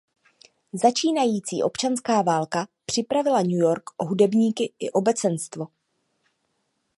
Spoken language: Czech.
Začínající občanská válka připravila New York o hudebníky i obecenstvo.